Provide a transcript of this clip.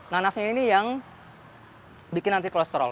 nanasnya ini yang bikin nanti kolesterol